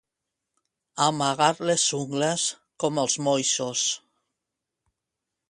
Amagar les ungles, com els moixos.